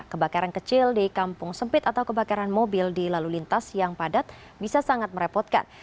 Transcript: kebakaran kecil di kampung sempit atau kebakaran mobil di lalu lintas yang padat bisa sangat merepotkan